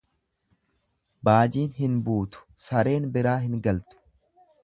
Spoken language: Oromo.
Baajiin hin buutu, sareen biraa hin galtu.